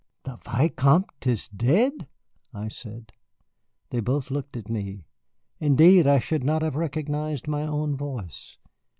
"The Vicomte is dead?" I said. They both looked at me. Indeed, I should not have recognized my own voice.